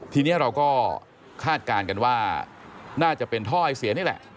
ทีนี้เราก็คาดการณ์กันว่าน่าจะเป็นท่อไอเสียนี่แหละ